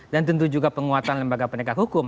dan tentu juga penguatan lembaga pendekat hukum